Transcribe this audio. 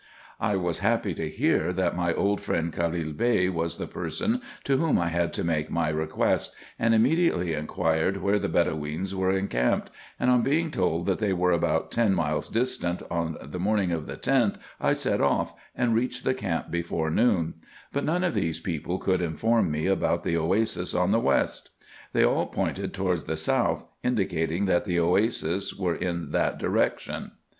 I was happy to hear that my old friend Khalil Bey was the person to whom I had to make my request, and immediately inquired where the Bedoweens were encamped, and on being told that they were about ten miles distant, on the morning of the 10th, I set off, and reached the camp before noon ; but none of these people could inform me about the oasis on the west. They all pointed towards the south, indicating that the oasis were in that direction.